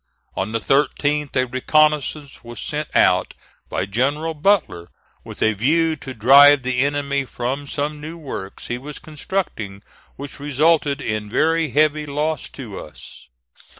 On the 13th, a reconnoissance was sent out by General Butler, with a view to drive the enemy from some new works he was constructing, which resulted in very heavy loss to us.